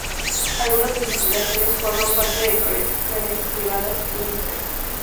Algunas de sus creaciones forman parte de colecciones privadas y museos.